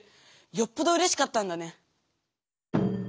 よっぽどうれしかったんだね。